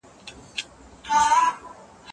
ژوندپوهنه د هر بیولوژي پوه لپاره یو بنسټیز اوزار دی.